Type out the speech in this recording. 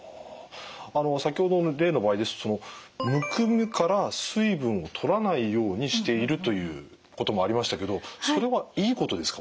先ほどの例の場合ですとむくむから水分をとらないようにしているということもありましたけどそれはいいことですか？